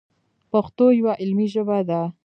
پښتو یوه علمي ژبه ده.